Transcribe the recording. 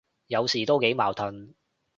有時都幾矛盾，